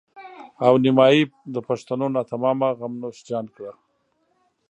او نيمایي د پښتنو ناتمامه غم نوش جان کړه.